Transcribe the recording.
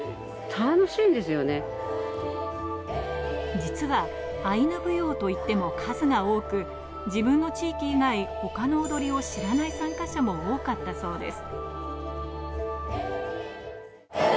実はアイヌ舞踊といっても数が多く、自分の地域以外、他の踊りを知らない参加者も多かったそうです。